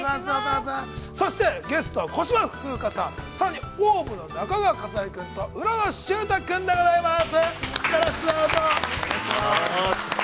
そして、ゲストは小芝風花さん、さらにＯＷＶの中川勝就君と浦野秀太君でございます。